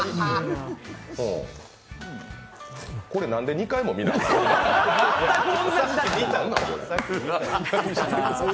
これ、なんで２回も見なあかん。